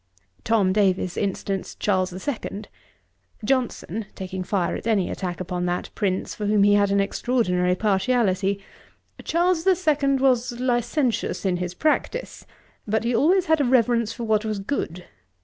Tom Davies instanced Charles the Second. JOHNSON, (taking fire at any attack upon that Prince, for whom he had an extraordinary partiality,) 'Charles the Second was licentious in his practice; but he always had a reverence for what was good.